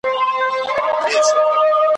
سپېده داغ ته یې د شپې استازی راسي ,